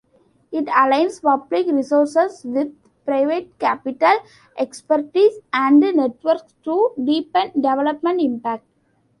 It aligns public resources with private capital, expertise and networks to deepen development impact.